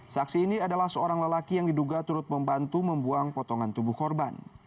saksi ini adalah seorang lelaki yang diduga turut membantu membuang potongan tubuh korban